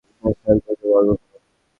ব্যাসার্ধকে বর্গ করো।